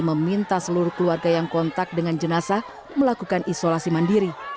meminta seluruh keluarga yang kontak dengan jenazah melakukan isolasi mandiri